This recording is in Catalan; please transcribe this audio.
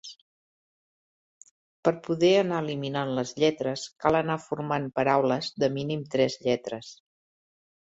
Per poder anar eliminant les lletres cal anar formant paraules de mínim tres lletres.